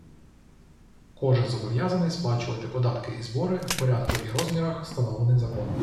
Кожен зобов'язаний сплачувати податки і збори в порядку і розмірах, встановлених законом